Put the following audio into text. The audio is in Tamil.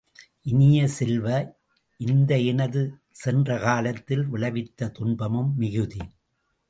இனிய செல்வ, இந்த எனது சென்ற காலத்தில் விளைவித்த துன்பமும் மிகுதி.